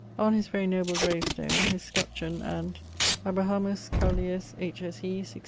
On his very noble gravestone, his scutcheon, and Abrahamus Couleius H. S. E. 1667.